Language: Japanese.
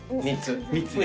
３つ。